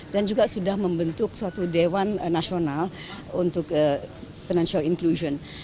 dan juga sudah membentuk suatu dewan nasional untuk financial inclusion